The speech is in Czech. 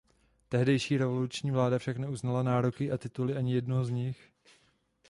Tehdejší revoluční vláda však neuznala nároky a tituly ani jednoho z nich.